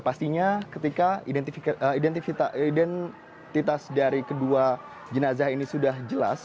pastinya ketika identitas dari kedua jenazah ini sudah jelas